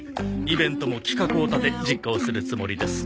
イベントも企画を立て実行するつもりです。